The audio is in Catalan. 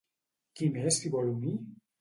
Qui més s'hi vol unir?